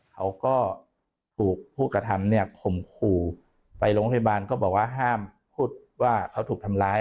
เขาก็ถูกผู้กระทำเนี่ยข่มขู่ไปโรงพยาบาลก็บอกว่าห้ามพูดว่าเขาถูกทำร้าย